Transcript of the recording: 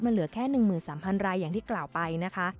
เหลือแค่๑๓๐๐รายอย่างที่กล่าวไปนะคะ